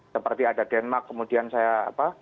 seperti ada denmark kemudian saya apa